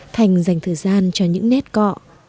thành dành thời gian cho những nét cọ